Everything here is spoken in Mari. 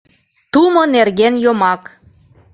ТУМО НЕРГЕН ЙОМАК